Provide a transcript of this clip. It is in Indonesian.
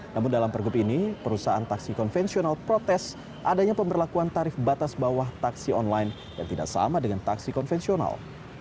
namun dalam pergub ini perusahaan taksi konvensional protes adanya pemberlakuan tarif batas bawah taksi online yang tidak sama dengan taksi konvensional